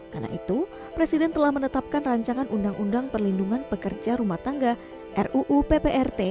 karena itu presiden telah menetapkan rancangan undang undang perlindungan pekerja rumah tangga ruu pprt